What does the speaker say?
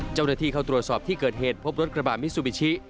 เจ้าหน้าที่เข้าตรวจสอบที่เกิดเหตุพบรถกระบาดมิซูบิชิ